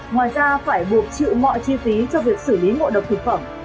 ngoài ra phải buộc chịu mọi chi phí cho việc xử lý ngộ độc thực phẩm